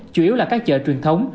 chủ yếu là các chợ truyền thống